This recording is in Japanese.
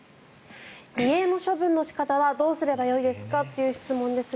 遺影の処分の仕方はどうすればよいですかという質問ですが。